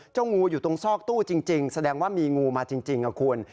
เจ้างูอยู่ตรงซอกตู้จริงจริงแสดงว่ามีงูมาจริงจริงนะคุณ